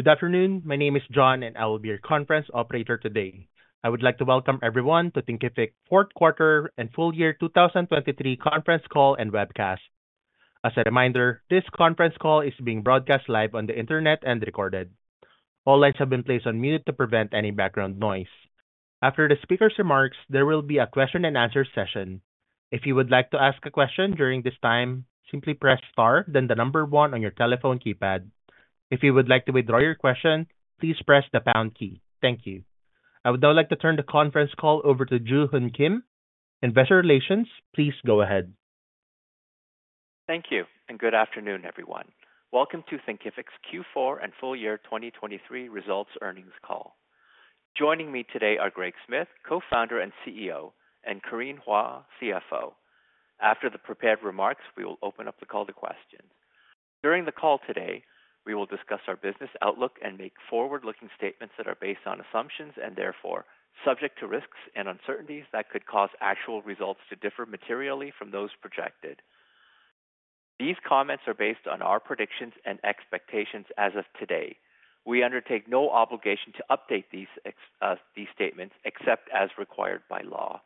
Good afternoon, my name is John and I will be your conference operator today. I would like to welcome everyone to Thinkific Fourth Quarter and Full Year 2023 Conference Call and Webcast. As a reminder, this conference call is being broadcast live on the internet and recorded. All lines have been placed on mute to prevent any background noise. After the speaker's remarks, there will be a question-and-answer session. If you would like to ask a question during this time, simply press star then the number one on your telephone keypad. If you would like to withdraw your question, please press the pound key. Thank you. I would now like to turn the conference call over to Joo-Hun Kim. Investor Relations, please go ahead. Thank you, and good afternoon, everyone. Welcome to Thinkific's Q4 and Full Year 2023 Results Earnings Call. Joining me today are Greg Smith, Co-Founder and CEO, and Corinne Hua, CFO. After the prepared remarks, we will open up the call to questions. During the call today, we will discuss our business outlook and make forward-looking statements that are based on assumptions and therefore subject to risks and uncertainties that could cause actual results to differ materially from those projected. These comments are based on our predictions and expectations as of today. We undertake no obligation to update these statements except as required by law.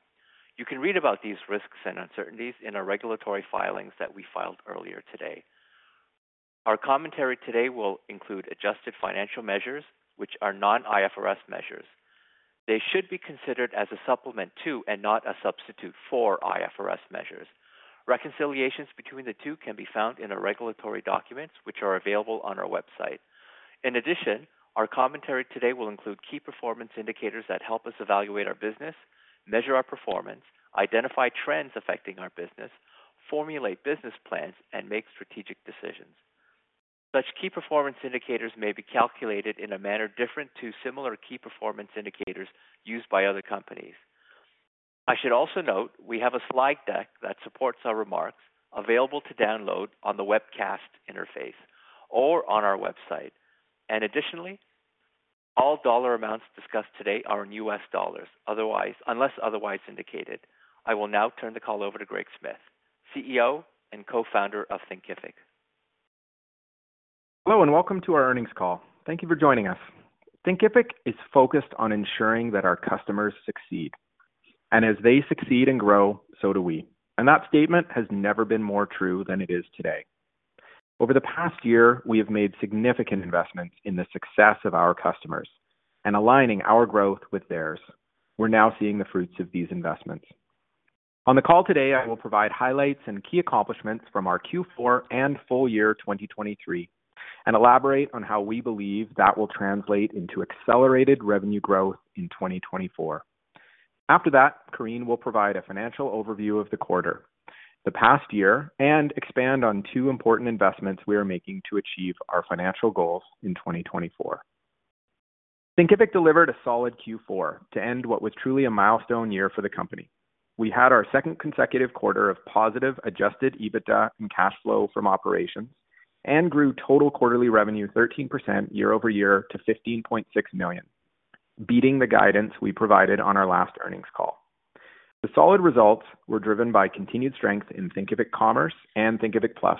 You can read about these risks and uncertainties in our regulatory filings that we filed earlier today. Our commentary today will include adjusted financial measures, which are non-IFRS measures. They should be considered as a supplement to and not a substitute for IFRS measures. Reconciliations between the two can be found in our regulatory documents, which are available on our website. In addition, our commentary today will include key performance indicators that help us evaluate our business, measure our performance, identify trends affecting our business, formulate business plans, and make strategic decisions. Such key performance indicators may be calculated in a manner different to similar key performance indicators used by other companies. I should also note we have a slide deck that supports our remarks, available to download on the webcast interface or on our website. Additionally, all dollar amounts discussed today are in U.S. dollars, unless otherwise indicated. I will now turn the call over to Greg Smith, CEO and Co-Founder of Thinkific. Hello and welcome to our earnings call. Thank you for joining us. Thinkific is focused on ensuring that our customers succeed, and as they succeed and grow, so do we. That statement has never been more true than it is today. Over the past year, we have made significant investments in the success of our customers and aligning our growth with theirs. We're now seeing the fruits of these investments. On the call today, I will provide highlights and key accomplishments from our Q4 and Full Year 2023 and elaborate on how we believe that will translate into accelerated revenue growth in 2024. After that, Corinne will provide a financial overview of the quarter, the past year, and expand on two important investments we are making to achieve our financial goals in 2024. Thinkific delivered a solid Q4 to end what was truly a milestone year for the company. We had our second consecutive quarter of positive Adjusted EBITDA and cash flow from operations and grew total quarterly revenue 13% year-over-year to $15.6 million, beating the guidance we provided on our last earnings call. The solid results were driven by continued strength in Thinkific Commerce and Thinkific Plus,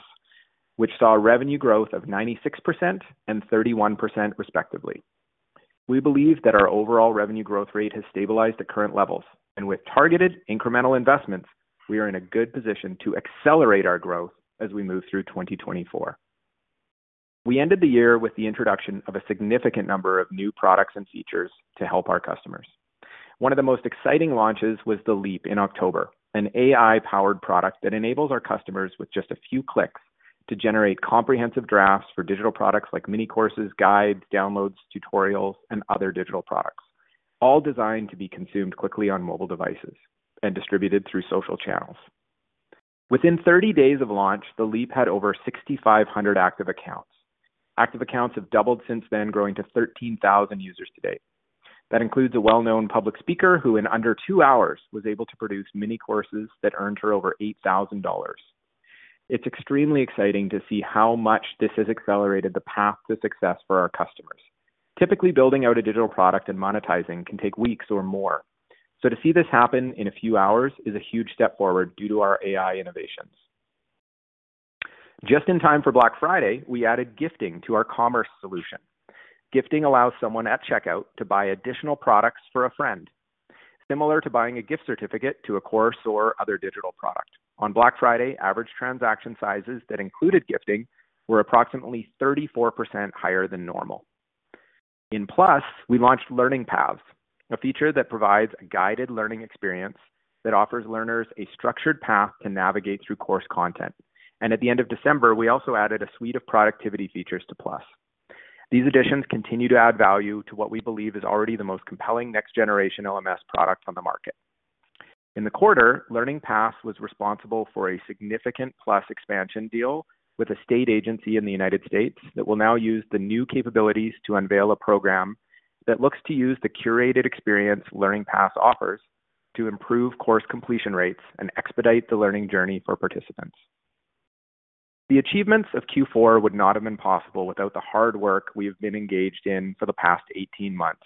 which saw revenue growth of 96% and 31% respectively. We believe that our overall revenue growth rate has stabilized at current levels, and with targeted incremental investments, we are in a good position to accelerate our growth as we move through 2024. We ended the year with the introduction of a significant number of new products and features to help our customers. One of the most exciting launches was The Leap in October, an AI-powered product that enables our customers with just a few clicks to generate comprehensive drafts for digital products like mini courses, guides, downloads, tutorials, and other digital products, all designed to be consumed quickly on mobile devices and distributed through social channels. Within 30 days of launch, The Leap had over 6,500 active accounts. Active accounts have doubled since then, growing to 13,000 users to date. That includes a well-known public speaker who, in under two hours, was able to produce mini courses that earned her over $8,000. It's extremely exciting to see how much this has accelerated the path to success for our customers. Typically, building out a digital product and monetizing can take weeks or more, so to see this happen in a few hours is a huge step forward due to our AI innovations. Just in time for Black Friday, we added gifting to our commerce solution. Gifting allows someone at checkout to buy additional products for a friend, similar to buying a gift certificate to a course or other digital product. On Black Friday, average transaction sizes that included gifting were approximately 34% higher than normal. In Plus, we launched Learning Paths, a feature that provides a guided learning experience that offers learners a structured path to navigate through course content. At the end of December, we also added a suite of productivity features to Plus. These additions continue to add value to what we believe is already the most compelling next-generation LMS product on the market. In the quarter, Learning Paths was responsible for a significant Plus expansion deal with a state agency in the United States that will now use the new capabilities to unveil a program that looks to use the curated experience Learning Paths offers to improve course completion rates and expedite the learning journey for participants. The achievements of Q4 would not have been possible without the hard work we have been engaged in for the past 18 months.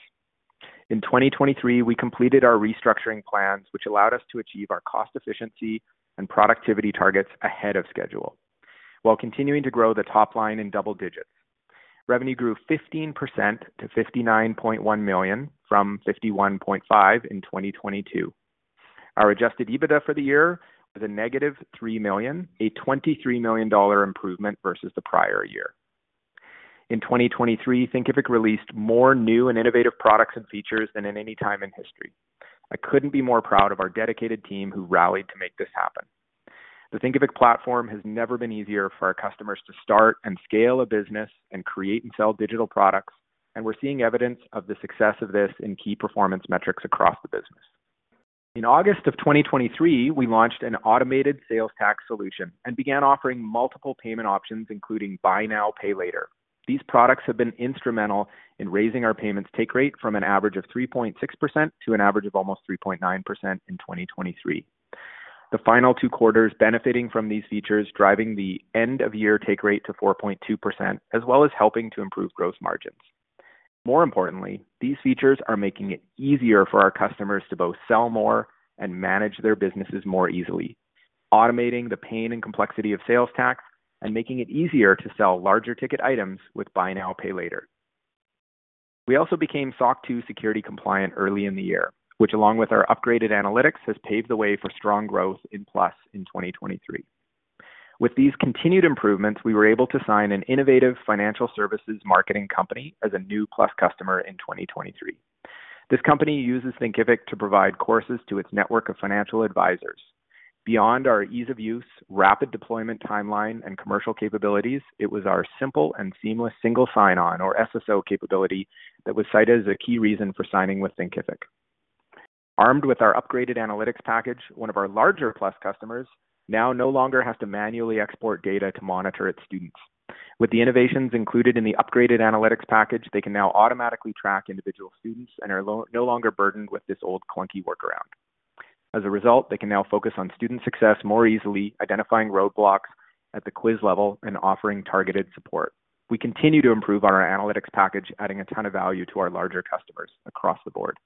In 2023, we completed our restructuring plans, which allowed us to achieve our cost efficiency and productivity targets ahead of schedule, while continuing to grow the top line in double digits. Revenue grew 15% to $59.1 million from $51.5 million in 2022. Our Adjusted EBITDA for the year was a $-3 million, a $23 million improvement versus the prior year. In 2023, Thinkific released more new and innovative products and features than in any time in history. I couldn't be more proud of our dedicated team who rallied to make this happen. The Thinkific platform has never been easier for our customers to start and scale a business and create and sell digital products, and we're seeing evidence of the success of this in key performance metrics across the business. In August of 2023, we launched an automated sales tax solution and began offering multiple payment options, including Buy Now, Pay Later. These products have been instrumental in raising our payments take rate from an average of 3.6% to an average of almost 3.9% in 2023, the final two quarters benefiting from these features driving the end-of-year take rate to 4.2%, as well as helping to improve gross margins. More importantly, these features are making it easier for our customers to both sell more and manage their businesses more easily, automating the pain and complexity of sales tax and making it easier to sell larger ticket items with Buy Now, Pay Later. We also became SOC 2 security compliant early in the year, which, along with our upgraded analytics, has paved the way for strong growth in Plus in 2023. With these continued improvements, we were able to sign an innovative financial services marketing company as a new Plus customer in 2023. This company uses Thinkific to provide courses to its network of financial advisors. Beyond our ease of use, rapid deployment timeline, and commercial capabilities, it was our simple and seamless single sign-on or SSO capability that was cited as a key reason for signing with Thinkific. Armed with our upgraded analytics package, one of our larger Plus customers now no longer has to manually export data to monitor its students. With the innovations included in the upgraded analytics package, they can now automatically track individual students and are no longer burdened with this old clunky workaround. As a result, they can now focus on student success more easily, identifying roadblocks at the quiz level and offering targeted support. We continue to improve our analytics package, adding a ton of value to our larger customers across the board.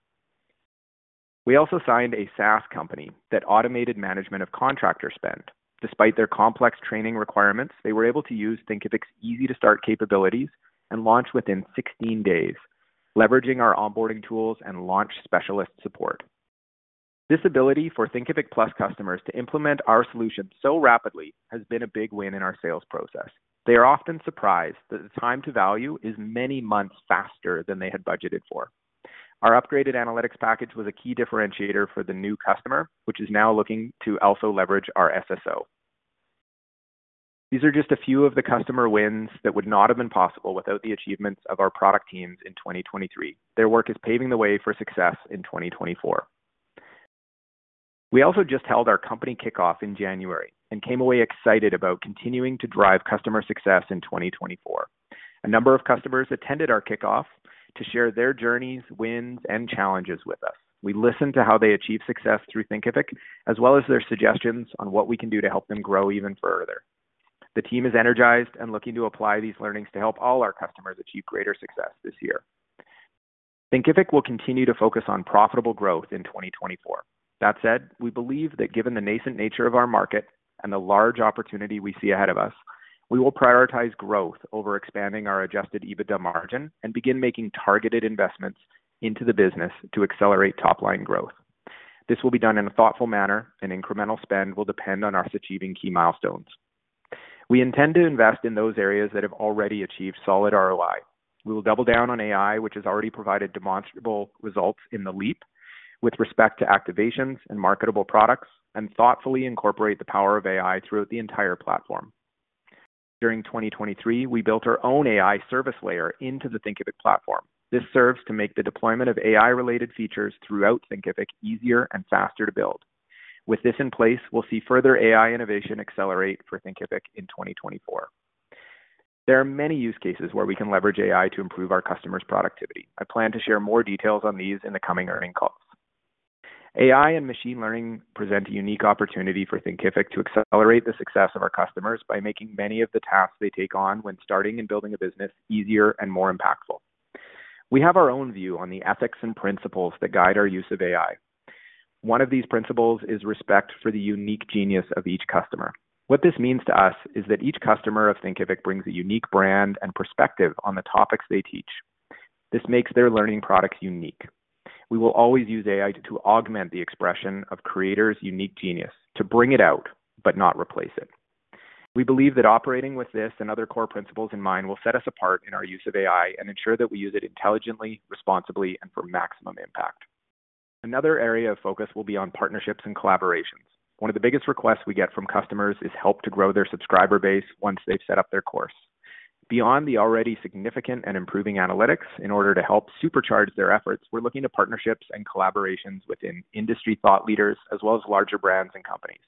We also signed a SaaS company that automated management of contractor spend. Despite their complex training requirements, they were able to use Thinkific's easy-to-start capabilities and launch within 16 days, leveraging our onboarding tools and launch specialist support. This ability for Thinkific Plus customers to implement our solution so rapidly has been a big win in our sales process. They are often surprised that the time to value is many months faster than they had budgeted for. Our upgraded analytics package was a key differentiator for the new customer, which is now looking to also leverage our SSO. These are just a few of the customer wins that would not have been possible without the achievements of our product teams in 2023. Their work is paving the way for success in 2024. We also just held our company kickoff in January and came away excited about continuing to drive customer success in 2024. A number of customers attended our kickoff to share their journeys, wins, and challenges with us. We listened to how they achieve success through Thinkific, as well as their suggestions on what we can do to help them grow even further. The team is energized and looking to apply these learnings to help all our customers achieve greater success this year. Thinkific will continue to focus on profitable growth in 2024. That said, we believe that given the nascent nature of our market and the large opportunity we see ahead of us, we will prioritize growth over expanding our Adjusted EBITDA margin and begin making targeted investments into the business to accelerate top-line growth. This will be done in a thoughtful manner, and incremental spend will depend on us achieving key milestones. We intend to invest in those areas that have already achieved solid ROI. We will double down on AI, which has already provided demonstrable results in The Leap with respect to activations and marketable products, and thoughtfully incorporate the power of AI throughout the entire platform. During 2023, we built our own AI service layer into the Thinkific platform. This serves to make the deployment of AI-related features throughout Thinkific easier and faster to build. With this in place, we'll see further AI innovation accelerate for Thinkific in 2024. There are many use cases where we can leverage AI to improve our customers' productivity. I plan to share more details on these in the coming earnings calls. AI and machine learning present a unique opportunity for Thinkific to accelerate the success of our customers by making many of the tasks they take on when starting and building a business easier and more impactful. We have our own view on the ethics and principles that guide our use of AI. One of these principles is respect for the unique genius of each customer. What this means to us is that each customer of Thinkific brings a unique brand and perspective on the topics they teach. This makes their learning products unique. We will always use AI to augment the expression of creators' unique genius, to bring it out but not replace it. We believe that operating with this and other core principles in mind will set us apart in our use of AI and ensure that we use it intelligently, responsibly, and for maximum impact. Another area of focus will be on partnerships and collaborations. One of the biggest requests we get from customers is help to grow their subscriber base once they've set up their course. Beyond the already significant and improving analytics, in order to help supercharge their efforts, we're looking to partnerships and collaborations within industry thought leaders, as well as larger brands and companies.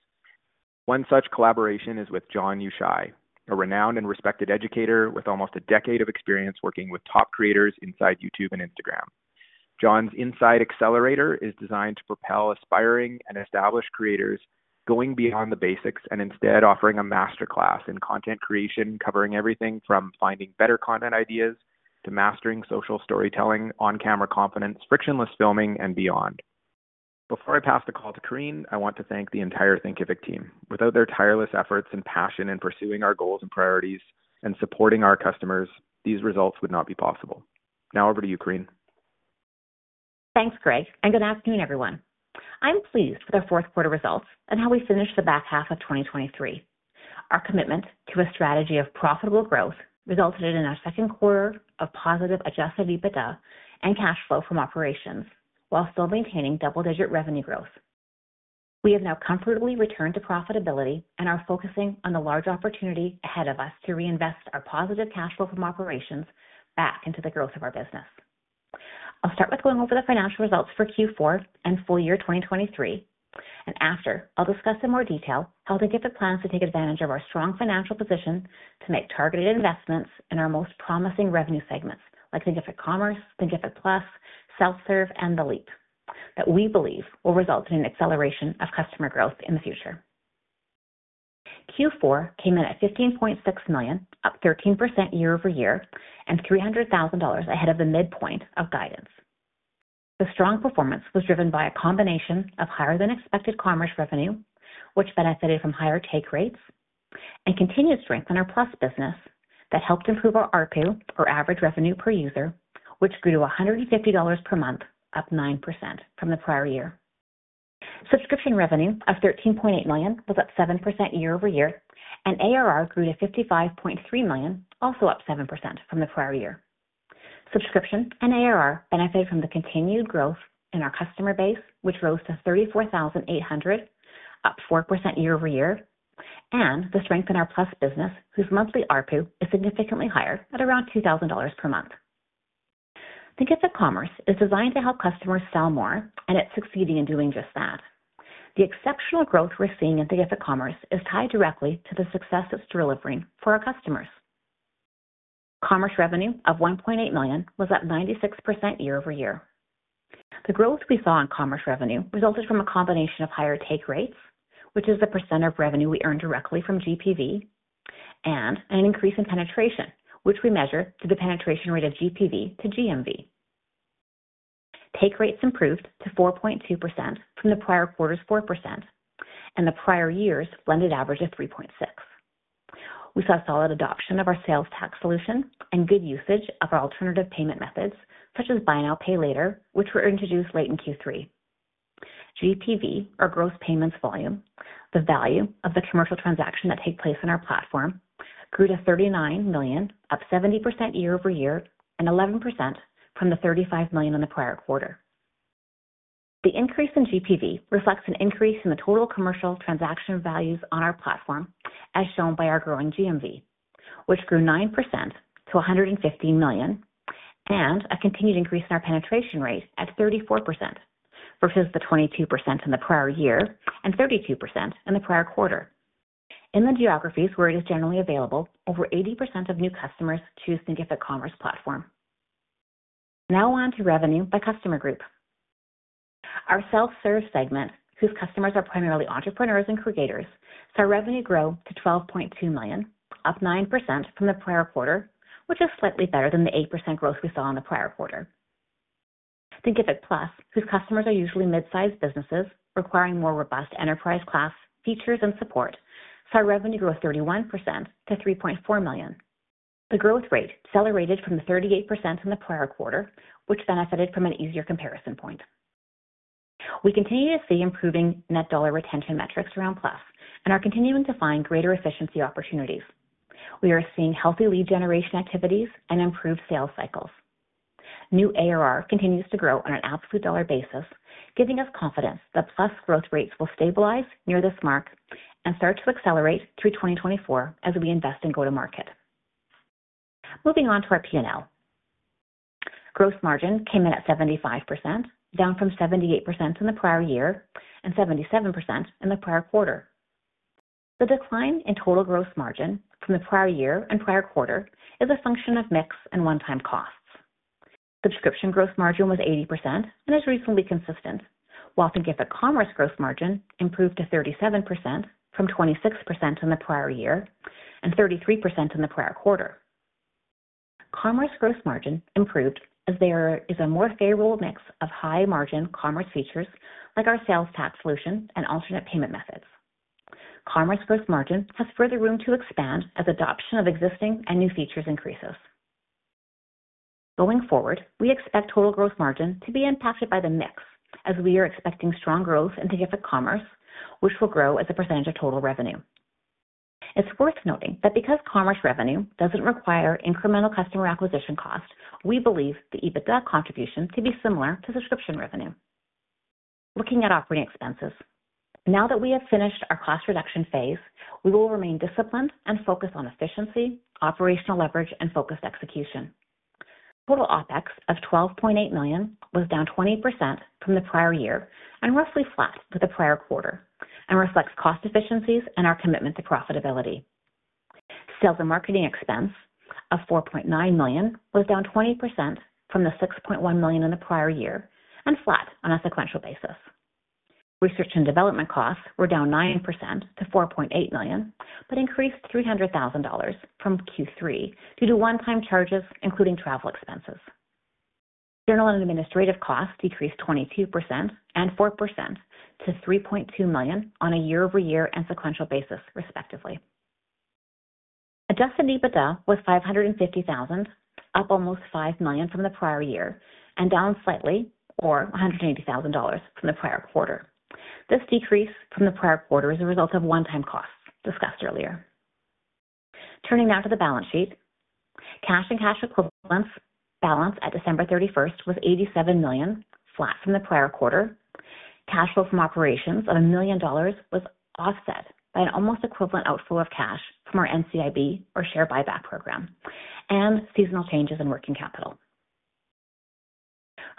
One such collaboration is with Jon Youshaei, a renowned and respected educator with almost a decade of experience working with top creators inside YouTube and Instagram. Jon's Insider Accelerator is designed to propel aspiring and established creators going beyond the basics and instead offering a masterclass in content creation, covering everything from finding better content ideas to mastering social storytelling, on-camera confidence, frictionless filming, and beyond. Before I pass the call to Corinne, I want to thank the entire Thinkific team. Without their tireless efforts and passion in pursuing our goals and priorities and supporting our customers, these results would not be possible. Now over to you, Corinne. Thanks, Greg. Good afternoon, everyone. I'm pleased with our fourth quarter results and how we finished the back half of 2023. Our commitment to a strategy of profitable growth resulted in our second quarter of positive Adjusted EBITDA and cash flow from operations while still maintaining double-digit revenue growth. We have now comfortably returned to profitability and are focusing on the large opportunity ahead of us to reinvest our positive cash flow from operations back into the growth of our business. I'll start with going over the financial results for Q4 and full year 2023, and after, I'll discuss in more detail how Thinkific plans to take advantage of our strong financial position to make targeted investments in our most promising revenue segments like Thinkific Commerce, Thinkific Plus, Self-Serve, and The Leap that we believe will result in an acceleration of customer growth in the future. Q4 came in at $15.6 million, up 13% year-over-year and $300,000 ahead of the midpoint of guidance. The strong performance was driven by a combination of higher-than-expected commerce revenue, which benefited from higher take rates, and continued strength in our Plus business that helped improve our ARPU, or average revenue per user, which grew to $150 per month, up 9% from the prior year. Subscription revenue of $13.8 million was up 7% year-over-year, and ARR grew to $55.3 million, also up 7% from the prior year. Subscription and ARR benefited from the continued growth in our customer base, which rose to 34,800, up 4% year-over-year, and the strength in our Plus business, whose monthly ARPU is significantly higher at around $2,000 per month. Thinkific Commerce is designed to help customers sell more, and it's succeeding in doing just that. The exceptional growth we're seeing in Thinkific Commerce is tied directly to the success it's delivering for our customers. Commerce revenue of $1.8 million was up 96% year-over-year. The growth we saw in commerce revenue resulted from a combination of higher take rates, which is the percent of revenue we earn directly from GPV, and an increase in penetration, which we measured to the penetration rate of GPV to GMV. Take rates improved to 4.2% from the prior quarter's 4% and the prior year's blended average of 3.6%. We saw solid adoption of our sales tax solution and good usage of our alternative payment methods such as Buy Now, Pay Later, which were introduced late in Q3. GPV, or gross payments volume, the value of the commercial transaction that take place in our platform, grew to $39 million, up 70% year-over-year and 11% from the $35 million in the prior quarter. The increase in GPV reflects an increase in the total commercial transaction values on our platform, as shown by our growing GMV, which grew 9% to $115 million and a continued increase in our penetration rate at 34%, versus the 22% in the prior year and 32% in the prior quarter. In the geographies where it is generally available, over 80% of new customers choose Thinkific Commerce platform. Now on to revenue by customer group. Our Self-Serve segment, whose customers are primarily entrepreneurs and creators, saw revenue grow to $12.2 million, up 9% from the prior quarter, which is slightly better than the 8% growth we saw in the prior quarter. Thinkific Plus, whose customers are usually midsize businesses requiring more robust enterprise-class features and support, saw revenue grow 31% to $3.4 million, the growth rate accelerated from the 38% in the prior quarter, which benefited from an easier comparison point. We continue to see improving Net Dollar Retention metrics around Plus and are continuing to find greater efficiency opportunities. We are seeing healthy lead generation activities and improved sales cycles. New ARR continues to grow on an absolute dollar basis, giving us confidence that Plus growth rates will stabilize near this mark and start to accelerate through 2024 as we invest and go to market. Moving on to our P&L. Gross margin came in at 75%, down from 78% in the prior year and 77% in the prior quarter. The decline in total gross margin from the prior year and prior quarter is a function of mix and one-time costs. Subscription gross margin was 80% and is reasonably consistent, while Thinkific Commerce gross margin improved to 37% from 26% in the prior year and 33% in the prior quarter. Commerce gross margin improved as there is a more favorable mix of high-margin commerce features like our sales tax solution and alternate payment methods. Commerce gross margin has further room to expand as adoption of existing and new features increases. Going forward, we expect total gross margin to be impacted by the mix as we are expecting strong growth in Thinkific Commerce, which will grow as a percentage of total revenue. It's worth noting that because commerce revenue doesn't require incremental customer acquisition cost, we believe the EBITDA contribution to be similar to subscription revenue. Looking at operating expenses. Now that we have finished our cost reduction phase, we will remain disciplined and focus on efficiency, operational leverage, and focused execution. Total OpEx of $12.8 million was down 20% from the prior year and roughly flat to the prior quarter and reflects cost efficiencies and our commitment to profitability. Sales and marketing expense of $4.9 million was down 20% from the $6.1 million in the prior year and flat on a sequential basis. Research and development costs were down 9% to $4.8 million but increased $300,000 from Q3 due to one-time charges, including travel expenses. General and administrative costs decreased 22% and 4% to $3.2 million on a year-over-year and sequential basis, respectively. Adjusted EBITDA was $550,000, up almost $5 million from the prior year and down slightly, or $180,000, from the prior quarter. This decrease from the prior quarter is a result of one-time costs discussed earlier. Turning now to the balance sheet. Cash and cash equivalents balance at December 31st was $87 million, flat from the prior quarter. Cash flow from operations of $1 million was offset by an almost equivalent outflow of cash from our NCIB, or share buyback program, and seasonal changes in working capital.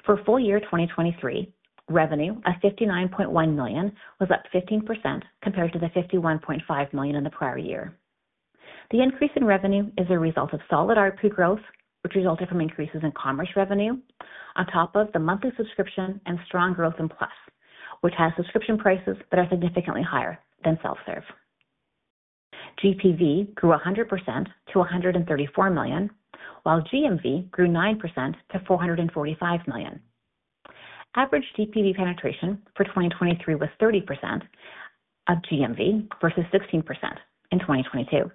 For full year 2023, revenue of $59.1 million was up 15% compared to the $51.5 million in the prior year. The increase in revenue is a result of solid ARPU growth, which resulted from increases in commerce revenue, on top of the monthly subscription and strong growth in Plus, which has subscription prices that are significantly higher than Self-Serve. GPV grew 100% to $134 million, while GMV grew 9% to $445 million. Average GPV penetration for 2023 was 30% of GMV versus 16% in 2022.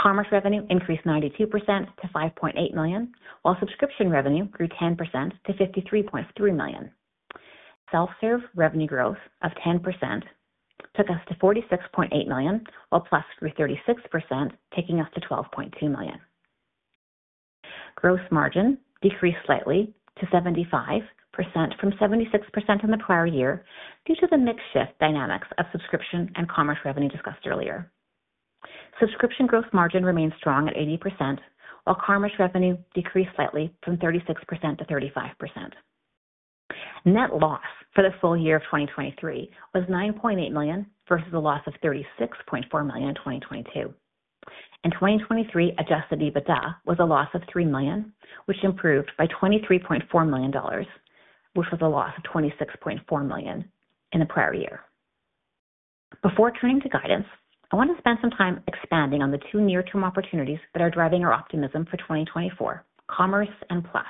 Commerce revenue increased 92% to $5.8 million, while subscription revenue grew 10% to $53.3 million. Self-Serve revenue growth of 10% took us to $46.8 million, while Plus grew 36%, taking us to $12.2 million. Gross margin decreased slightly to 75% from 76% in the prior year due to the mixed shift dynamics of subscription and commerce revenue discussed earlier. Subscription gross margin remained strong at 80%, while commerce revenue decreased slightly from 36% to 35%. Net loss for the full year of 2023 was $9.8 million versus a loss of $36.4 million in 2022. In 2023, Adjusted EBITDA was a loss of $3 million, which improved by $23.4 million, which was a loss of $26.4 million in the prior year. Before turning to guidance, I want to spend some time expanding on the two near-term opportunities that are driving our optimism for 2024: commerce and Plus.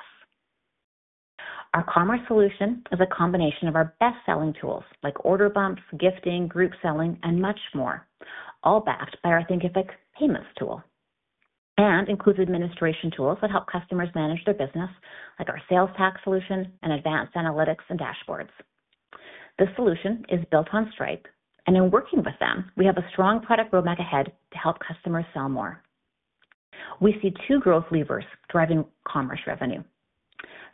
Our commerce solution is a combination of our best-selling tools like order bumps, gifting, group selling, and much more, all backed by our Thinkific Payments tool and includes administration tools that help customers manage their business, like our sales tax solution and advanced analytics and dashboards. This solution is built on Stripe, and in working with them, we have a strong product roadmap ahead to help customers sell more. We see two growth levers driving commerce revenue.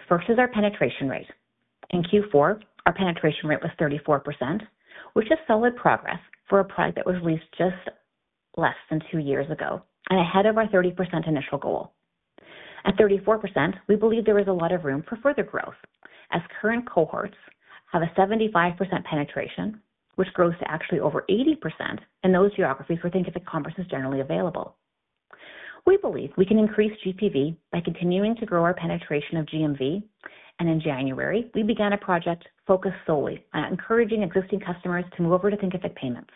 First is our penetration rate. In Q4, our penetration rate was 34%, which is solid progress for a product that was released just less than two years ago and ahead of our 30% initial goal. At 34%, we believe there is a lot of room for further growth as current cohorts have a 75% penetration, which grows to actually over 80% in those geographies where Thinkific Commerce is generally available. We believe we can increase GPV by continuing to grow our penetration of GMV, and in January, we began a project focused solely on encouraging existing customers to move over to Thinkific Payments.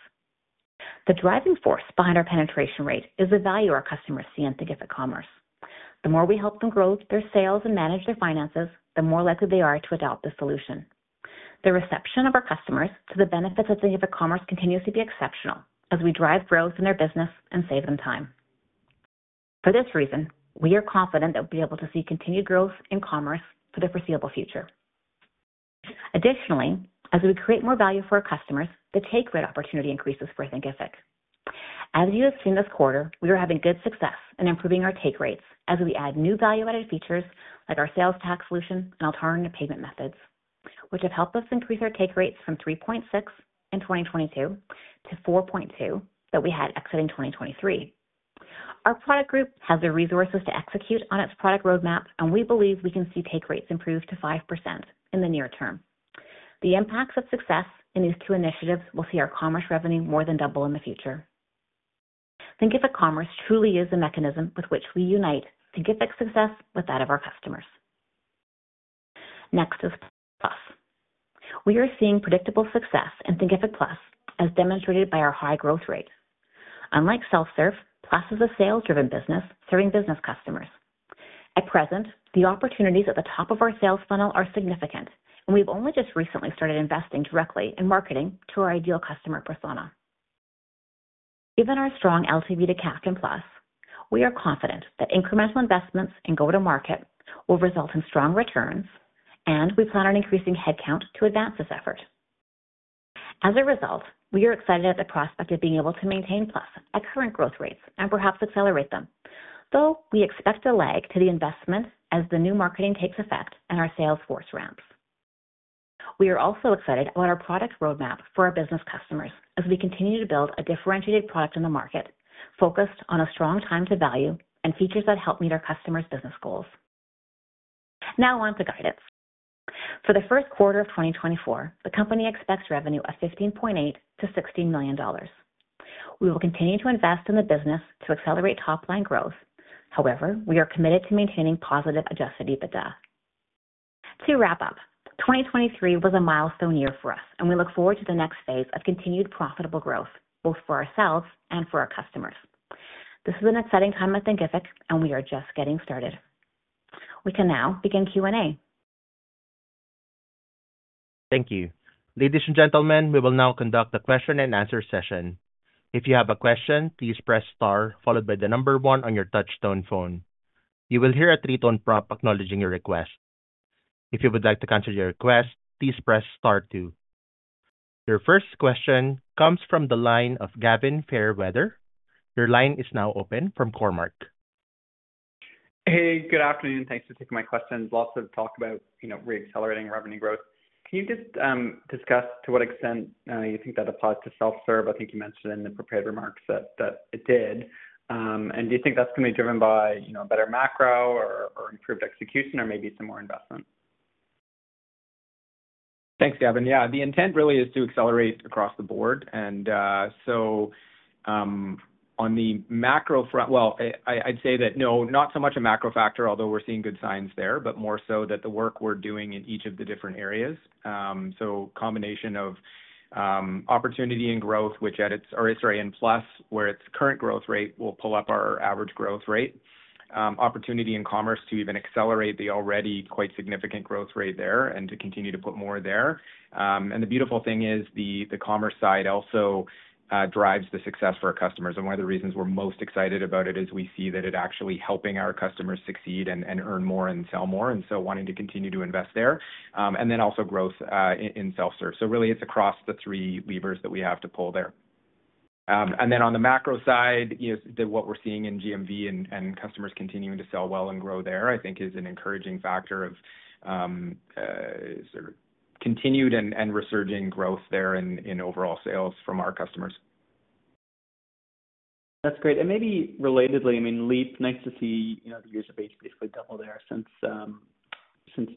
The driving force behind our Penetration Rate is the value our customers see in Thinkific Commerce. The more we help them grow their sales and manage their finances, the more likely they are to adopt this solution. The reception of our customers to the benefits of Thinkific Commerce continues to be exceptional as we drive growth in their business and save them time. For this reason, we are confident that we'll be able to see continued growth in commerce for the foreseeable future. Additionally, as we create more value for our customers, the Take Rate opportunity increases for Thinkific. As you have seen this quarter, we are having good success in improving our take rates as we add new value-added features like our sales tax solution and alternative payment methods, which have helped us increase our take rates from 3.6 in 2022 to 4.2 that we had exiting 2023. Our product group has the resources to execute on its product roadmap, and we believe we can see take rates improve to 5% in the near term. The impacts of success in these two initiatives will see our commerce revenue more than double in the future. Thinkific Commerce truly is the mechanism with which we unite Thinkific success with that of our customers. Next is Plus. We are seeing predictable success in Thinkific Plus, as demonstrated by our high growth rate. Unlike Self-Serve, Plus is a sales-driven business serving business customers. At present, the opportunities at the top of our sales funnel are significant, and we've only just recently started investing directly in marketing to our ideal customer persona. Given our strong LTV to CAC in Plus, we are confident that incremental investments and go-to-market will result in strong returns, and we plan on increasing headcount to advance this effort. As a result, we are excited at the prospect of being able to maintain Plus at current growth rates and perhaps accelerate them, though we expect a lag to the investment as the new marketing takes effect and our sales force ramps. We are also excited about our product roadmap for our business customers as we continue to build a differentiated product in the market focused on a strong time-to-value and features that help meet our customers' business goals. Now on to guidance. For the first quarter of 2024, the company expects revenue of $15.8 million-$16 million. We will continue to invest in the business to accelerate top-line growth. However, we are committed to maintaining positive Adjusted EBITDA. To wrap up, 2023 was a milestone year for us, and we look forward to the next phase of continued profitable growth both for ourselves and for our customers. This is an exciting time at Thinkific, and we are just getting started. We can now begin Q&A. Thank you. Ladies and gentlemen, we will now conduct a question-and-answer session. If you have a question, please press star followed by the number one on your touch-tone phone. You will hear a three-tone prompt acknowledging your request. If you would like to cancel your request, please press star two. Your first question comes from the line of Gavin Fairweather. Your line is now open from Cormark. Hey, good afternoon. Thanks for taking my questions. Lots of talk about reaccelerating revenue growth. Can you just discuss to what extent you think that applies to Self-Serve? I think you mentioned in the prepared remarks that it did. And do you think that's going to be driven by a better macro or improved execution or maybe some more investment? Thanks, Gavin. Yeah, the intent really is to accelerate across the board. And so, on the macro front, well, I'd say that no, not so much a macro factor, although we're seeing good signs there, but more so that the work we're doing in each of the different areas. So, combination of opportunity and growth, which at its or sorry, in Plus, where its current growth rate will pull up our average growth rate. Opportunity in commerce to even accelerate the already quite significant growth rate there and to continue to put more there. And the beautiful thing is the commerce side also drives the success for our customers. And one of the reasons we're most excited about it is we see that it's actually helping our customers succeed and earn more and sell more, and so wanting to continue to invest there. And then also growth in Self-Serve. So really, it's across the three levers that we have to pull there. And then on the macro side, what we're seeing in GMV and customers continuing to sell well and grow there, I think, is an encouraging factor of sort of continued and resurging growth there in overall sales from our customers. That's great. And maybe relatedly, I mean, Leap, nice to see the user base basically double there since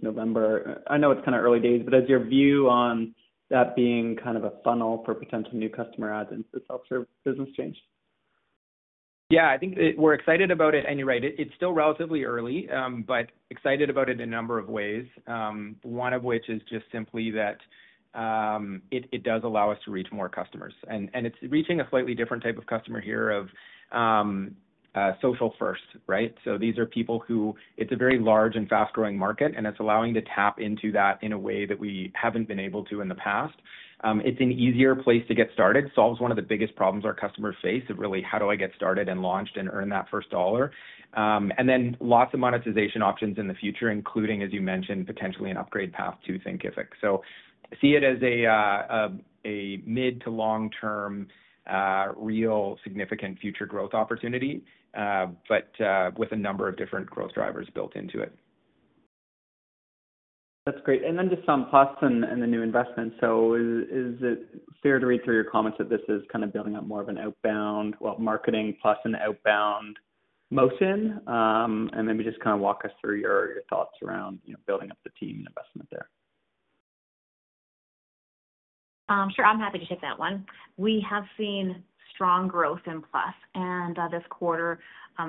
November. I know it's kind of early days, but is your view on that being kind of a funnel for potential new customer adds into the Self-Serve business change? Yeah, I think we're excited about it. You're right. It's still relatively early, but excited about it in a number of ways, one of which is just simply that it does allow us to reach more customers. It's reaching a slightly different type of customer here of social first, right? So, these are people who it's a very large and fast-growing market, and it's allowing to tap into that in a way that we haven't been able to in the past. It's an easier place to get started, solves one of the biggest problems our customers face of really, how do I get started and launched and earn that first dollar? And then lots of monetization options in the future, including, as you mentioned, potentially an upgrade path to Thinkific. So see it as a mid- to long-term, real significant future growth opportunity, but with a number of different growth drivers built into it. That's great. And then just some Plus and the new investments. So is it fair to read through your comments that this is kind of building up more of an outbound, well, marketing plus an outbound motion? And maybe just kind of walk us through your thoughts around building up the team and investment there. Sure. I'm happy to take that one. We have seen strong growth in Plus, and this quarter,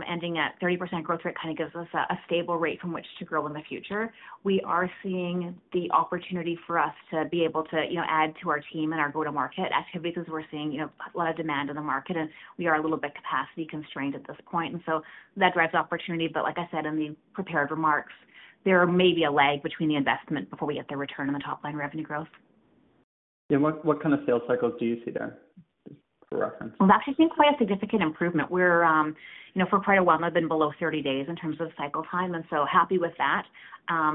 ending at 30% growth rate kind of gives us a stable rate from which to grow in the future. We are seeing the opportunity for us to be able to add to our team and our go-to-market activities because we're seeing a lot of demand in the market, and we are a little bit capacity-constrained at this point. And so that drives opportunity. But like I said in the prepared remarks, there may be a lag between the investment before we get the return on the top-line revenue growth. Yeah. What kind of sales cycles do you see there for reference? Well, that should seem quite a significant improvement. For quite a while, they've been below 30 days in terms of cycle time. And so happy with that.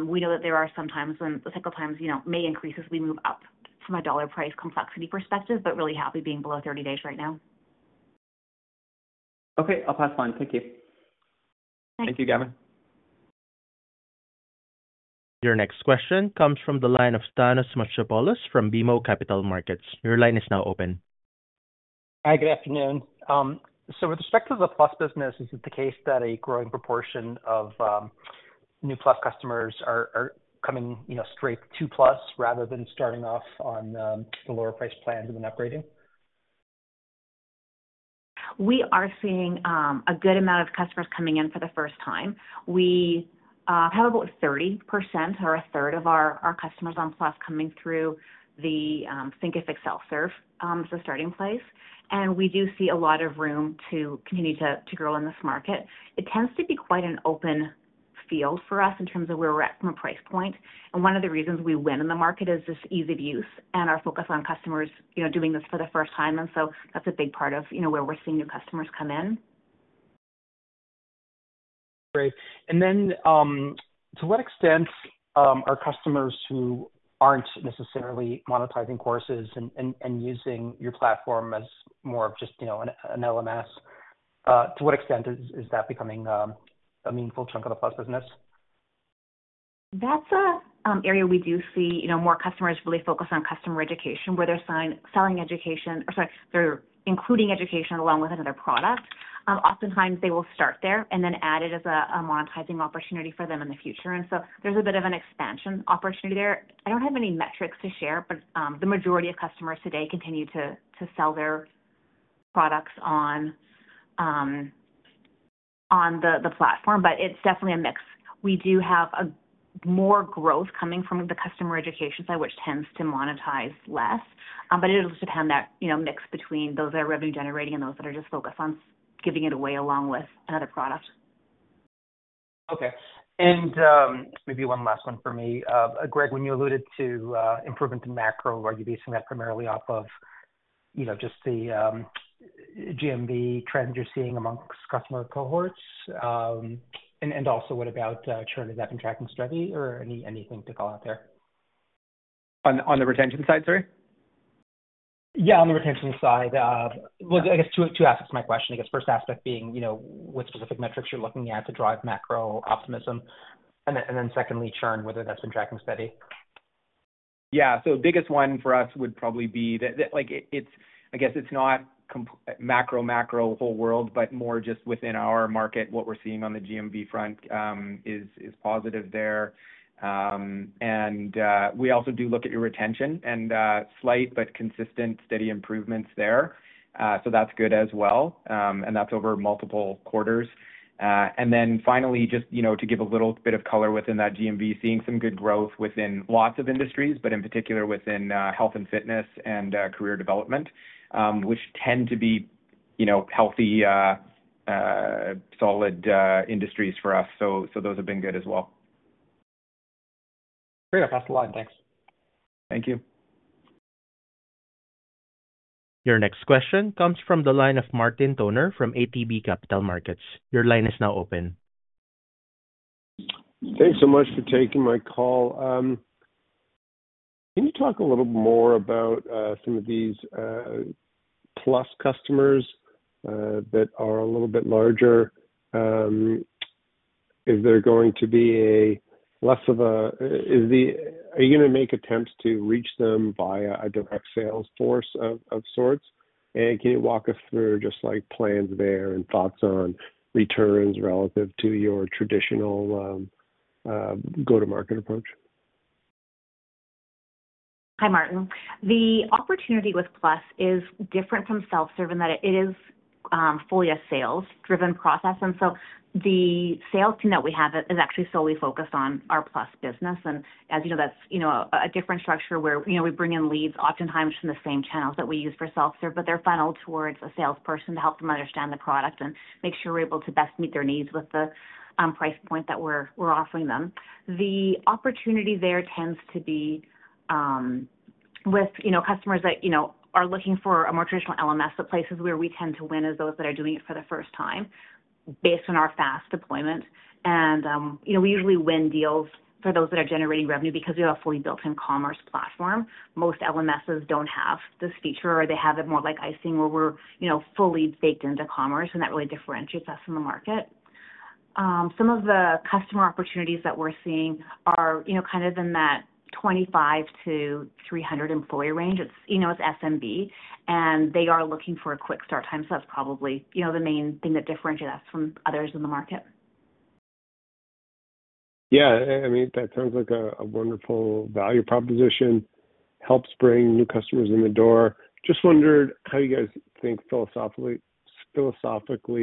We know that there are sometimes when the cycle time may increase as we move up from a dollar-price complexity perspective, but really happy being below 30 days right now. Okay. I'll pass on. Thank you. Thank you, Gavin. Thanks. Your next question comes from the line of Thanos Moschopoulos from BMO Capital Markets. Your line is now open. Hi. Good afternoon. So with respect to the Plus business, is it the case that a growing proportion of new Plus customers are coming straight to Plus rather than starting off on the lower-price plans and then upgrading? We are seeing a good amount of customers coming in for the first time. We have about 30% or a third of our customers on Plus coming through the Thinkific Self-Serve as a starting place. And we do see a lot of room to continue to grow in this market. It tends to be quite an open field for us in terms of where we're at from a price point. One of the reasons we win in the market is just ease of use and our focus on customers doing this for the first time. So that's a big part of where we're seeing new customers come in. Great. And then to what extent are customers who aren't necessarily monetizing courses and using your platform as more of just an LMS, to what extent is that becoming a meaningful chunk of the Plus business? That's an area we do see more customers really focus on customer education where they're selling education or sorry, they're including education along with another product. Oftentimes, they will start there and then add it as a monetizing opportunity for them in the future. And so, there's a bit of an expansion opportunity there. I don't have any metrics to share, but the majority of customers today continue to sell their products on the platform, but it's definitely a mix. We do have more growth coming from the customer education side, which tends to monetize less, but it'll depend that mix between those that are revenue-generating and those that are just focused on giving it away along with another product. Okay. And maybe one last one for me. Greg, when you alluded to improvement in macro, are you basing that primarily off of just the GMV trends you're seeing amongst customer cohorts? And also, what about churn? Is that been tracking steady or anything to call out there? On the retention side, sorry? Yeah, on the retention side. Well, I guess two aspects to my question. I guess first aspect being what specific metrics you're looking at to drive macro optimism, and then secondly, churn, whether that's been tracking steady. Yeah. So biggest one for us would probably be that I guess it's not macro, macro, whole world, but more just within our market, what we're seeing on the GMV front is positive there. And we also do look at your retention and slight but consistent steady improvements there. So that's good as well, and that's over multiple quarters. And then finally, just to give a little bit of color within that GMV, seeing some good growth within lots of industries, but in particular within health and fitness and career development, which tend to be healthy, solid industries for us. So those have been good as well. Great. I'll pass the line. Thanks. Thank you. Your next question comes from the line of Martin Toner from ATB Capital Markets. Your line is now open. Thanks so much for taking my call. Can you talk a little more about some of these Plus customers that are a little bit larger? Is there going to be a less of a are you going to make attempts to reach them via a direct sales force of sorts? And can you walk us through just plans there and thoughts on returns relative to your traditional go-to-market approach? Hi, Martin. The opportunity with Plus is different from Self-Serve in that it is fully a sales-driven process. And so, the sales team that we have is actually solely focused on our Plus business. As you know, that's a different structure where we bring in leads oftentimes from the same channels that we use for Self-Serve, but they're funneled towards a salesperson to help them understand the product and make sure we're able to best meet their needs with the price point that we're offering them. The opportunity there tends to be with customers that are looking for a more traditional LMS; the places where we tend to win is those that are doing it for the first time based on our fast deployment. We usually win deals for those that are generating revenue because we have a fully built-in commerce platform. Most LMSs don't have this feature, or they have it more like icing where we're fully baked into commerce, and that really differentiates us in the market. Some of the customer opportunities that we're seeing are kind of in that 25-300 employee range. It's SMB, and they are looking for a quick start time. So that's probably the main thing that differentiates us from others in the market. Yeah. I mean, that sounds like a wonderful value proposition, helps bring new customers in the door. Just wondered how you guys think philosophically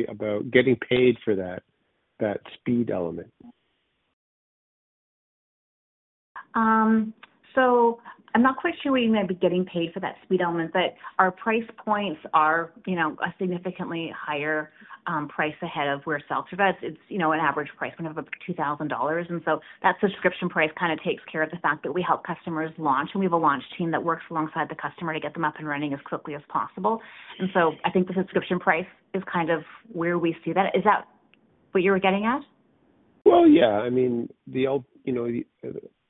about getting paid for that speed element. So, I'm not quite sure we might be getting paid for that speed element, but our price points are a significantly higher price ahead of where Self-Serve is. It's an average price point of about $2,000. And so that subscription price kind of takes care of the fact that we help customers launch, and we have a launch team that works alongside the customer to get them up and running as quickly as possible. So I think the subscription price is kind of where we see that. Is that what you were getting at? Well, yeah. I mean,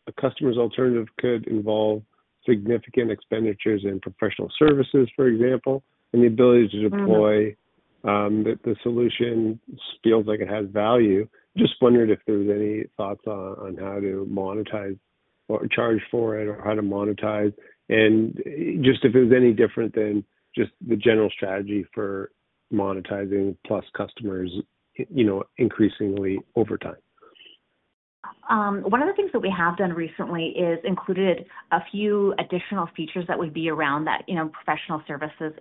a customer's alternative could involve significant expenditures in professional services, for example, and the ability to deploy the solution feels like it has value. Just wondered if there was any thoughts on how to monetize or charge for it or how to monetize, and just if it was any different than just the general strategy for monetizing Plus customers increasingly over time. One of the things that we have done recently is included a few additional features that would be around that professional services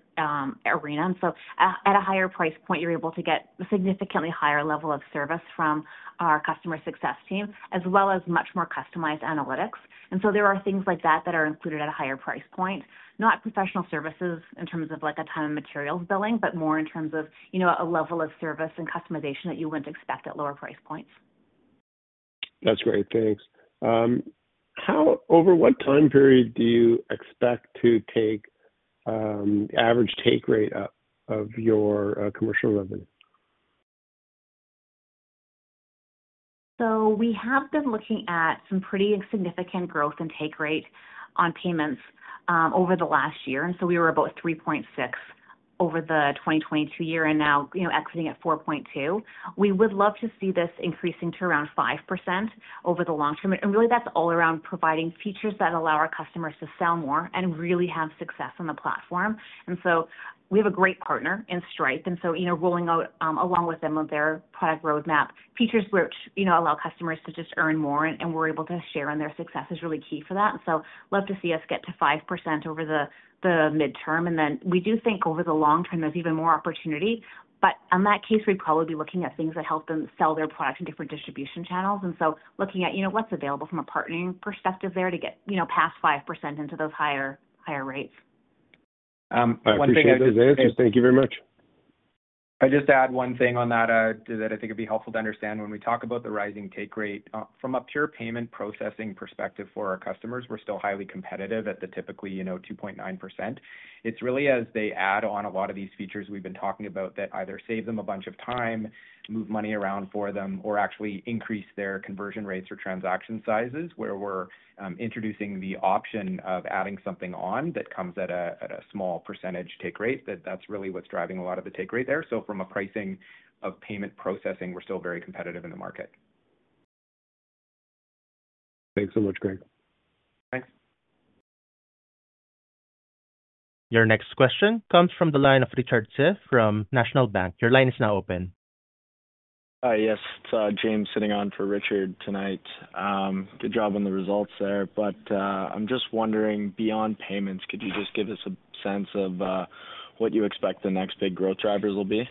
arena. So, at a higher price point, you're able to get a significantly higher level of service from our customer success team as well as much more customized analytics. There are things like that that are included at a higher price point, not professional services in terms of time and materials billing, but more in terms of a level of service and customization that you wouldn't expect at lower price points. That's great. Thanks. Over what time period do you expect to take the average take rate up of your commercial revenue? We have been looking at some pretty significant growth in take rate on payments over the last year. We were about 3.6 over the 2022 year and now exiting at 4.2. We would love to see this increasing to around 5% over the long term. Really, that's all around providing features that allow our customers to sell more and really have success on the platform. And so we have a great partner in Stripe, and so rolling out along with them of their product roadmap, features which allow customers to just earn more, and we're able to share in their success is really key for that. And so love to see us get to 5% over the midterm. And then we do think over the long term, there's even more opportunity. But on that case, we'd probably be looking at things that help them sell their product in different distribution channels. And so looking at what's available from a partnering perspective there to get past 5% into those higher rates. One thing I just. I appreciate it. Is it interesting? Thank you very much. I just add one thing on that that I think would be helpful to understand when we talk about the rising take rate. From a pure payment processing perspective for our customers, we're still highly competitive at the typically 2.9%. It's really as they add on a lot of these features we've been talking about that either save them a bunch of time, move money around for them, or actually increase their conversion rates or transaction sizes where we're introducing the option of adding something on that comes at a small percentage take rate. That's really what's driving a lot of the take rate there. So from a pricing of payment processing, we're still very competitive in the market. Thanks so much, Greg. Thanks. Your next question comes from the line of Richard Tse from National Bank. Your line is now open. Hi. Yes. It's James sitting in for Richard tonight. Good job on the results there. But I'm just wondering, beyond payments, could you just give us a sense of what you expect the next big growth drivers will be?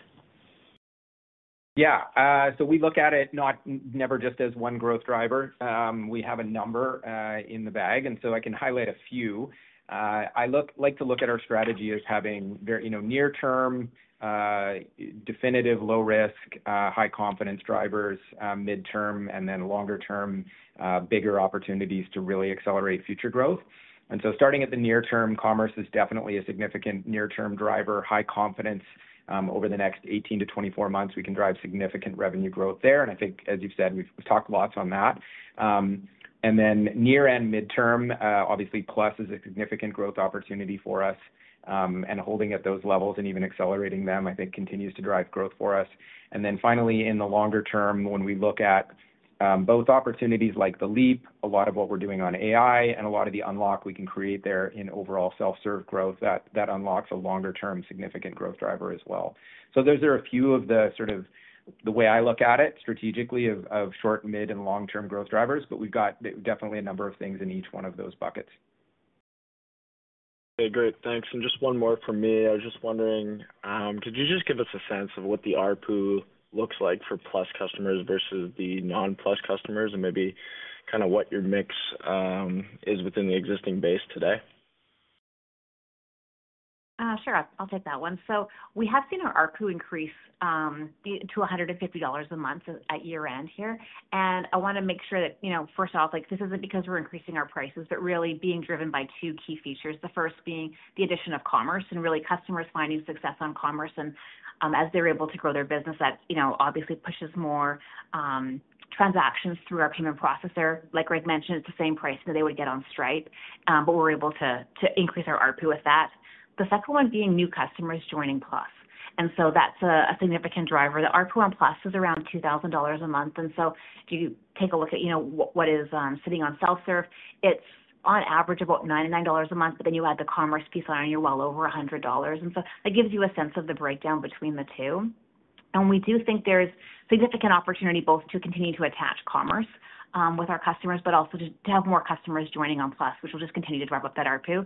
Yeah. So, we look at it never just as one growth driver. We have a number in the bag, and so I can highlight a few. I like to look at our strategy as having near-term, definitive low-risk, high-confidence drivers, midterm, and then longer-term, bigger opportunities to really accelerate future growth. And so, starting at the near term, commerce is definitely a significant near-term driver, high confidence. Over the next 18-24 months, we can drive significant revenue growth there. And I think, as you've said, we've talked lots on that. And then near and midterm, obviously, Plus is a significant growth opportunity for us. And holding at those levels and even accelerating them, I think, continues to drive growth for us. And then finally, in the longer term, when we look at both opportunities like The Leap, a lot of what we're doing on AI and a lot of the unlock we can create there in overall self-serve growth, that unlocks a longer-term significant growth driver as well. So those are a few of the sort of the way I look at it strategically of short, mid, and long-term growth drivers. But we've got definitely a number of things in each one of those buckets. Okay. Great. Thanks. And just one more for me. I was just wondering, could you just give us a sense of what the ARPU looks like for Plus customers versus the non-Plus customers and maybe kind of what your mix is within the existing base today? Sure. I'll take that one. So, we have seen our ARPU increase to $250 a month at year-end here. I want to make sure that, first off, this isn't because we're increasing our prices, but really being driven by two key features, the first being the addition of commerce and really customers finding success on commerce. And as they're able to grow their business, that obviously pushes more transactions through our payment processor. Like Greg mentioned, it's the same pricing that they would get on Stripe, but we're able to increase our ARPU with that. The second one being new customers joining Plus. And so that's a significant driver. The ARPU on Plus is around $2,000 a month. And so, if you take a look at what is sitting on Self-Serve, it's on average about $99 a month, but then you add the commerce piece on, and you're well over $100. And so that gives you a sense of the breakdown between the two. We do think there's significant opportunity both to continue to attach commerce with our customers, but also to have more customers joining on Plus, which will just continue to drive up that ARPU.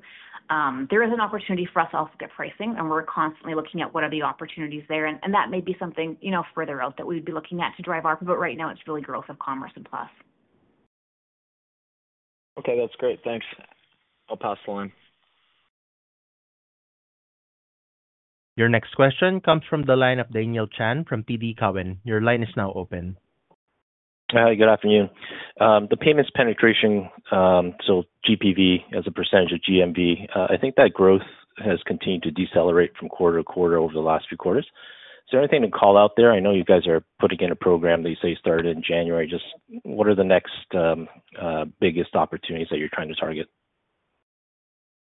There is an opportunity for us to also get pricing, and we're constantly looking at what are the opportunities there. That may be something further out that we would be looking at to drive ARPU, but right now, it's really growth of commerce and Plus. Okay. That's great. Thanks. I'll pass the line. Your next question comes from the line of Daniel Chan from TD Cowen. Your line is now open. Hi. Good afternoon. The payments penetration, so GPV as a percentage of GMV, I think that growth has continued to decelerate from quarter to quarter over the last few quarters. Is there anything to call out there? I know you guys are putting in a program that you say you started in January. Just what are the next biggest opportunities that you're trying to target?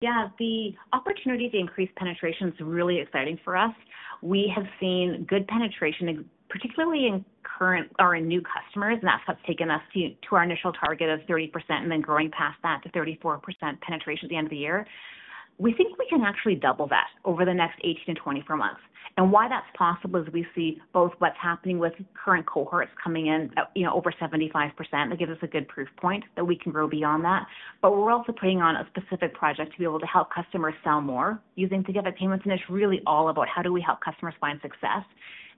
Yeah. The opportunity to increase penetration is really exciting for us. We have seen good penetration, particularly in current or in new customers, and that's what's taken us to our initial target of 30% and then growing past that to 34% penetration at the end of the year. We think we can actually double that over the next 18-24 months. And why that's possible is we see both what's happening with current cohorts coming in over 75%. That gives us a good proof point that we can grow beyond that. But we're also putting on a specific project to be able to help customers sell more using Thinkific Payments. It's really all about how do we help customers find success.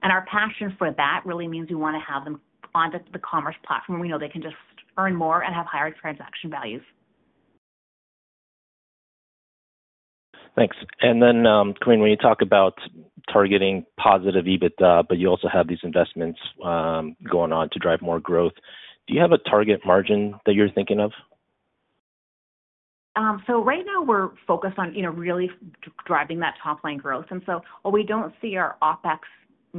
Our passion for that really means we want to have them on the commerce platform. We know they can just earn more and have higher transaction values. Thanks. Then, Corinne, when you talk about targeting positive EBITDA, but you also have these investments going on to drive more growth, do you have a target margin that you're thinking of? So right now, we're focused on really driving that top-line growth. While we don't see our OpEx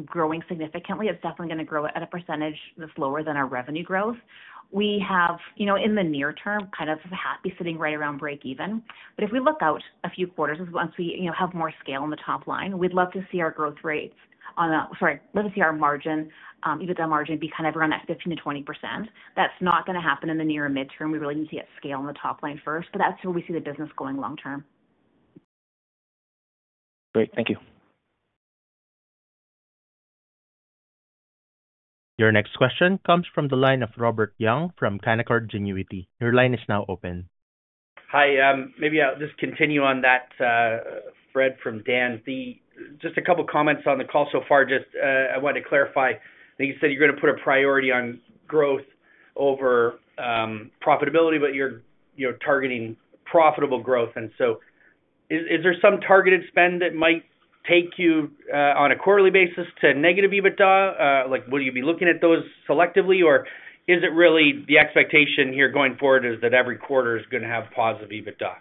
growing significantly, it's definitely going to grow at a percentage that's lower than our revenue growth. We have, in the near term, kind of happy sitting right around break-even. But if we look out a few quarters, once we have more scale in the top line, we'd love to see our growth rates on the sorry, we'd love to see our margin, EBITDA margin, be kind of around that 15%-20%. That's not going to happen in the near and midterm. We really need to get scale in the top line first. But that's where we see the business going long term. Great. Thank you. Your next question comes from the line of Robert Young from Canaccord Genuity. Your line is now open. Hi. Maybe I'll just continue on that thread from Dan. Just a couple of comments on the call so far. Just I wanted to clarify. I think you said you're going to put a priority on growth over profitability, but you're targeting profitable growth. So, is there some targeted spend that might take you on a quarterly basis to negative EBITDA? Would you be looking at those selectively, or is it really the expectation here going forward is that every quarter is going to have positive EBITDA?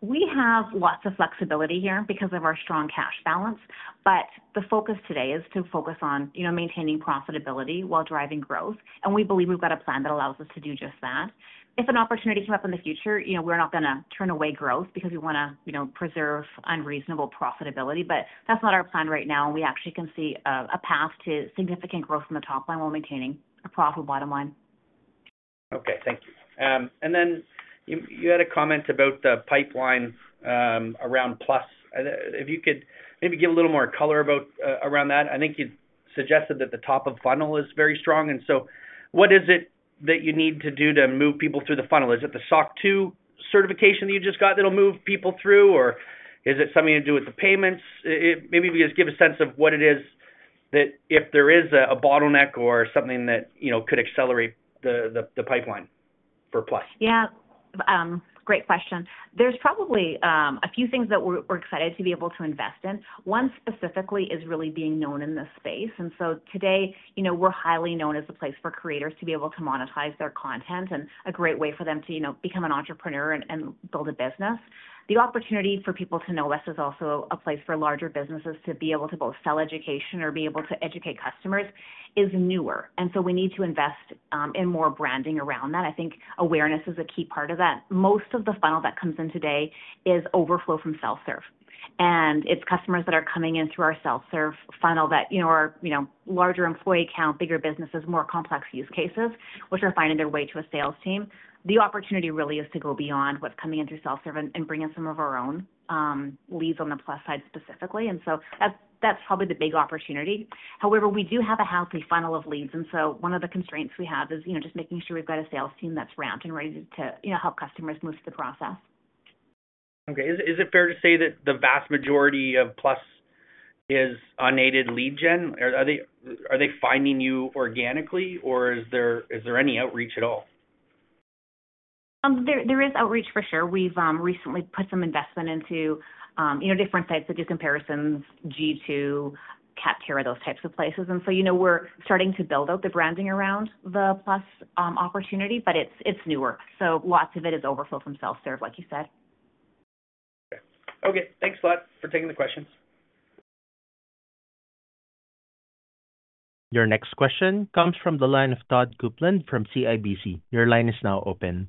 We have lots of flexibility here because of our strong cash balance. But the focus today is to focus on maintaining profitability while driving growth. And we believe we've got a plan that allows us to do just that. If an opportunity came up in the future, we're not going to turn away growth because we want to preserve unreasonable profitability. But that's not our plan right now. And we actually can see a path to significant growth in the top line while maintaining a profitable bottom line. Okay. Thank you. And then you had a comment about the pipeline around Plus. If you could maybe give a little more color around that. I think you suggested that the top of funnel is very strong. And so what is it that you need to do to move people through the funnel? Is it the SOC 2 certification that you just got that'll move people through, or is it something to do with the payments? Maybe just give a sense of what it is that if there is a bottleneck or something that could accelerate the pipeline for Plus. Yeah. Great question. There's probably a few things that we're excited to be able to invest in. One specifically is really being known in this space. And so today, we're highly known as a place for creators to be able to monetize their content and a great way for them to become an entrepreneur and build a business. The opportunity for people to know us is also a place for larger businesses to be able to both sell education or be able to educate customers, is newer. And so we need to invest in more branding around that. I think awareness is a key part of that. Most of the funnel that comes in today is overflow from self-serve. And it's customers that are coming in through our self-serve funnel that are larger employee count, bigger businesses, more complex use cases, which are finding their way to a sales team. The opportunity really is to go beyond what's coming in through self-serve and bring in some of our own leads on the Plus side specifically. And so that's probably the big opportunity. However, we do have a healthy funnel of leads. And so one of the constraints we have is just making sure we've got a sales team that's ramped and ready to help customers move through the process. Okay. Is it fair to say that the vast majority of Plus is unaided lead gen? Are they finding you organically, or is there any outreach at all? There is outreach for sure. We've recently put some investment into different sites to do comparisons, G2, Capterra, those types of places. And so, we're starting to build out the branding around the Plus opportunity, but it's newer. So, lots of it is overflow from self-serve, like you said. Okay. Okay. Thanks a lot for taking the questions. Your next question comes from the line of Todd Coupland from CIBC. Your line is now open.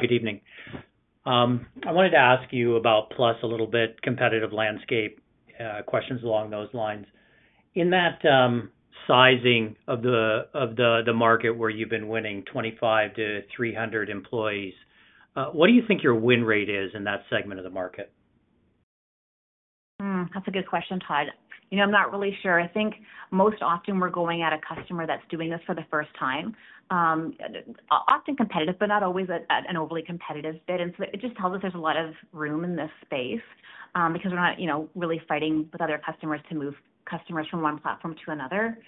Good evening. I wanted to ask you about Plus a little bit, competitive landscape, questions along those lines. In that sizing of the market where you've been winning 25-300 employees, what do you think your win rate is in that segment of the market? That's a good question, Todd. I'm not really sure. I think most often, we're going at a customer that's doing this for the first time, often competitive, but not always an overly competitive bid. And so, it just tells us there's a lot of room in this space because we're not really fighting with other customers to move customers from one platform to another.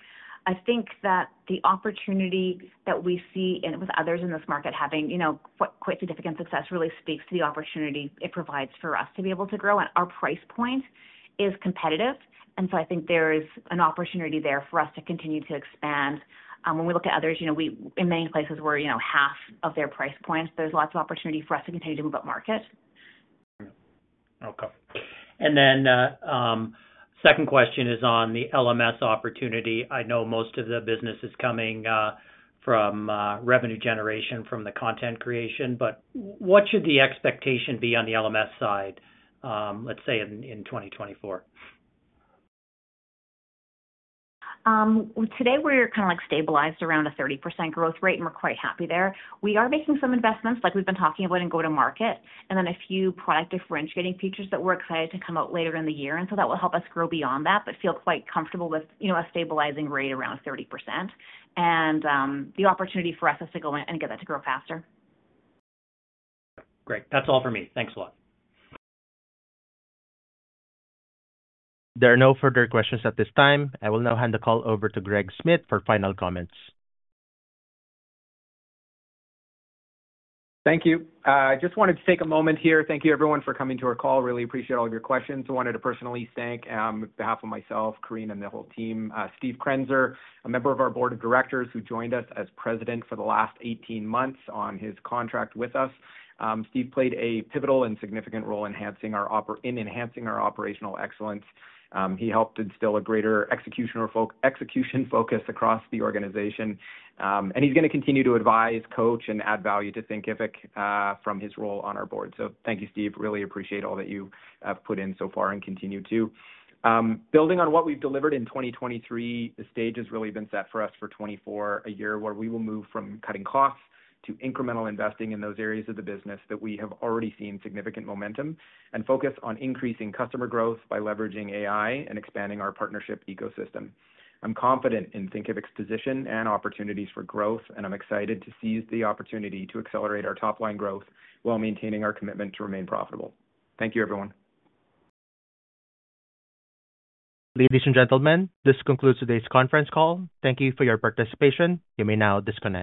I think that the opportunity that we see with others in this market having quite significant success really speaks to the opportunity it provides for us to be able to grow. And our price point is competitive. And so, I think there's an opportunity there for us to continue to expand. When we look at others, in many places, we're half of their price point. There's lots of opportunity for us to continue to move up market. Okay. And then second question is on the LMS opportunity. I know most of the business is coming from revenue generation, from the content creation. But what should the expectation be on the LMS side, let's say, in 2024? Today, we're kind of stabilized around a 30% growth rate, and we're quite happy there. We are making some investments like we've been talking about in go-to-market and then a few product differentiating features that we're excited to come out later in the year. And so that will help us grow beyond that but feel quite comfortable with a stabilizing rate around 30% and the opportunity for us to go in and get that to grow faster. Great. That's all for me. Thanks a lot. There are no further questions at this time. I will now hand the call over to Greg Smith for final comments. Thank you. I just wanted to take a moment here. Thank you, everyone, for coming to our call. Really appreciate all of your questions. I wanted to personally thank, on behalf of myself, Corinne, and the whole team, Steve Krenzer, a member of our board of directors who joined us as president for the last 18 months on his contract with us. Steve played a pivotal and significant role in enhancing our operational excellence. He helped instill a greater execution focus across the organization. He's going to continue to advise, coach, and add value to Thinkific from his role on our board. So thank you, Steve. Really appreciate all that you have put in so far and continue to. Building on what we've delivered in 2023, the stage has really been set for us for 2024, a year where we will move from cutting costs to incremental investing in those areas of the business that we have already seen significant momentum and focus on increasing customer growth by leveraging AI and expanding our partnership ecosystem. I'm confident in Thinkific's position and opportunities for growth, and I'm excited to seize the opportunity to accelerate our top-line growth while maintaining our commitment to remain profitable. Thank you, everyone. Ladies and gentlemen, this concludes today's conference call. Thank you for your participation. You may now disconnect.